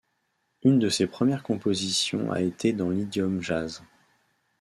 Une de ses premières compositions a été dans l'idiome jazz.